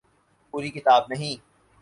پوری کتاب نہیں۔